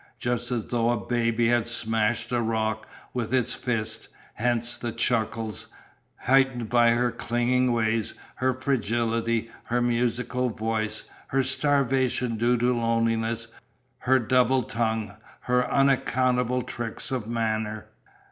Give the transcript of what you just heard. Just as though a baby had smashed a rock with its fist. Hence the chuckles, heightened by her clinging ways, her fragility, her musical voice, her starvation due to loneliness, her double tongue, her unaccountable tricks of manner.